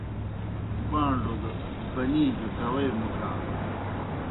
بان٘ڈوْ دہ بنی گہ کاؤے مُٹھان۔